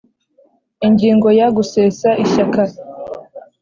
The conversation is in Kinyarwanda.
Ingingo ya Gusesa Ishyaka